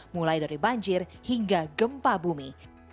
mulai dari banjir hingga gempa bumi